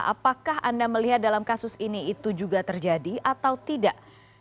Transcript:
apakah anda melihat dalam kasus ini itu juga terjadi atau tidak